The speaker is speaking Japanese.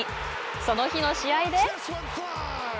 その日の試合で。